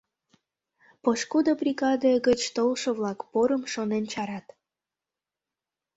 — Пошкудо бригаде гыч толшо-влак порым шонен чарат.